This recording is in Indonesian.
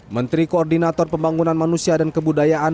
menteri koordinator pembangunan manusia dan kebudayaan